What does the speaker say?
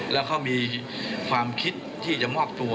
แล้วเขามีความคิดที่จะมอบตัว